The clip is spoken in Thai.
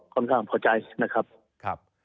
ค่อนข้างพอใจนะครับ